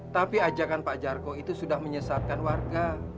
tapi ajakan pak jargo itu sudah menyesatkan warga